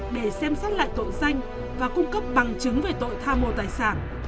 để xem xét lại tội danh và cung cấp bằng chứng về tội tha mô tài sản